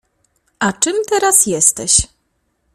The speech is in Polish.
A czym teraz jesteś?